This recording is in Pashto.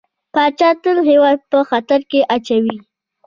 پاچا تل هيواد په خطر کې اچوي .